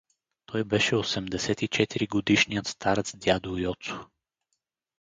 Той беше осемдесет и четири годишният старец дядо Йоцо.